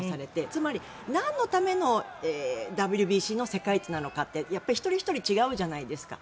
つまり、何のためのＷＢＣの世界一なのかってやっぱり一人ひとり違うじゃないですか。